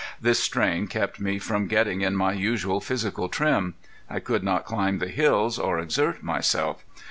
This strain kept me from getting in my usual physical trim. I could not climb the hills, or exert myself.